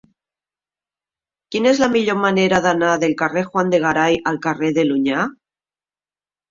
Quina és la millor manera d'anar del carrer de Juan de Garay al carrer de l'Onyar?